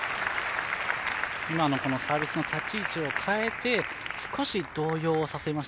今のサービスの立ち位置を変えて少し動揺させました。